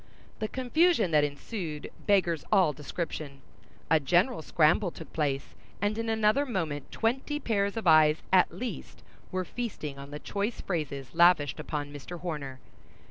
The confusion that ensued beggars all description. A general scramble took place, and in another moment twenty pairs of eyes, at least, were feasting on the choice phrases lavished upon Mr. Horner.